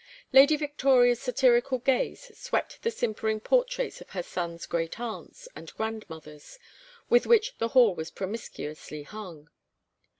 Lady Victoria's satirical gaze swept the simpering portraits of her son's great aunts and grandmothers, with which the hall was promiscuously hung.